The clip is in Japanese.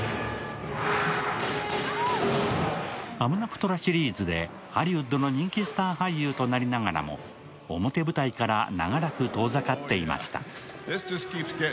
「ハムナプトラ」シリーズでハリウッドの人気スター俳優となりながらも、表舞台から長らく遠ざかっていました。